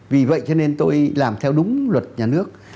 vì vậy cho nên tôi làm theo đúng luật nhà nước